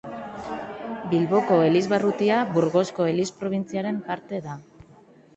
Bilboko elizbarrutia Burgosko eliz probintziaren parte da.